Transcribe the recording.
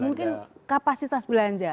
mungkin kapasitas belanja